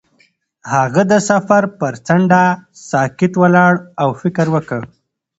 هغه د سفر پر څنډه ساکت ولاړ او فکر وکړ.